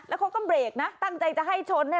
แล้วเขาก็เบรกนะตั้งใจจะให้ชน